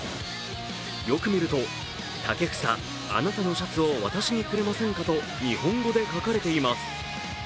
よく見ると「武英あなたのシャツを私にくれませんか？」と日本語で書かれています。